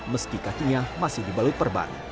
meski kakinya masih dibalut perban